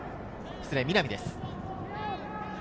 失礼、南です。